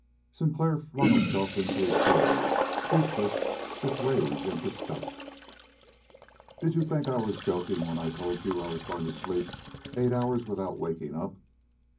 Sinclair flung himself into a chair, speechless with rage and disgust. "Did you think I was joking when I told you I was going to sleep eight hours without waking up?"